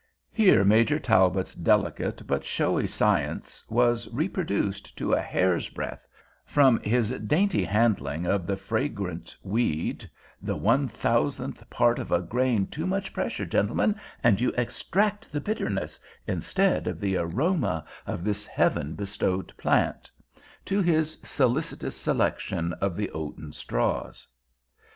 Here Major Talbot's delicate but showy science was reproduced to a hair's breadth—from his dainty handling of the fragrant weed—"the one thousandth part of a grain too much pressure, gentlemen, and you extract the bitterness, instead of the aroma, of this heaven bestowed plant"—to his solicitous selection of the oaten straws.